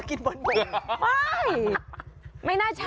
คั้น